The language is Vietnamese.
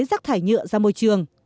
rác thải nhựa ra môi trường